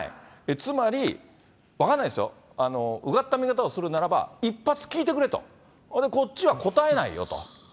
つまり、分かんないですよ、うがった見方をするならば、一発聞いてくれと、こっちは答えないよと。